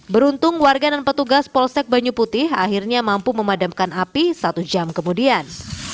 beruntung warga dan petugas polsek banyu putih akhirnya mampu memadamkan api satu jam kemudian